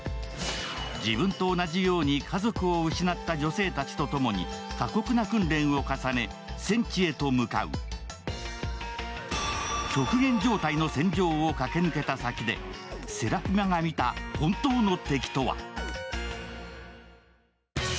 自分と同じように家族を失った女性たちとともに過酷な訓練を重ね、戦地へと向かう極限状態の戦場を駆け抜けた先でセラフィマが見た本当の敵とは？